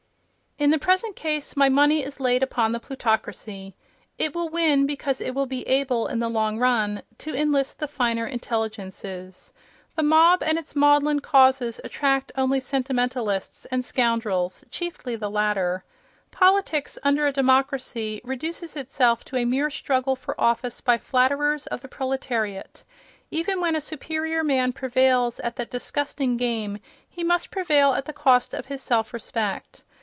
In the present case my money is laid upon the plutocracy. It will win because it will be able, in the long run, to enlist the finer intelligences. The mob and its maudlin causes attract only sentimentalists and scoundrels, chiefly the latter. Politics, under a democracy, reduces itself to a mere struggle for office by flatterers of the proletariat; even when a superior man prevails at that disgusting game he must prevail at the cost of his self respect.